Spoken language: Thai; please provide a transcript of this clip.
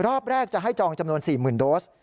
รอบแรกจะให้จองจำนวน๔๐๐๐โดส